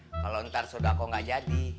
kalau ntar sodako gak jadi